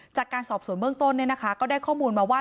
จากการสอบสวนเบื้องต้นก็ได้ข้อมูลมาว่า